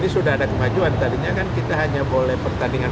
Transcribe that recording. sementara itu untuk lokasi pertandingan